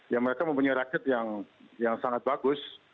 yang mereka mempunyai raket yang sangat bagus